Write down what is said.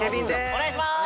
お願いします！